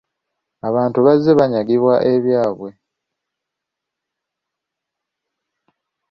Abantu bazze banyagibwa ebyabwe.